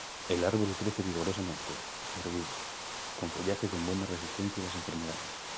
El árbol crece vigorosamente, erguido, con follaje con buena resistencia a las enfermedades.